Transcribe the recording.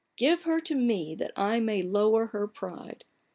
Give her to me that I may lower her pride